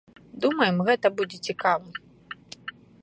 Думаем, гэта будзе цікава.